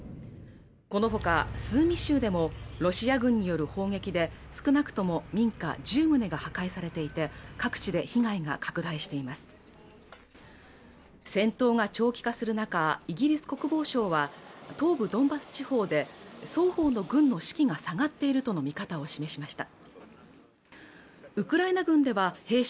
このほかスーミ州でもロシア軍による砲撃で少なくとも民家１０棟が破壊されていて各地で被害が拡大しています戦闘が長期化する中イギリス国防省は東部ドンバス地方で双方の軍の士気が下がっているとの見方を示しました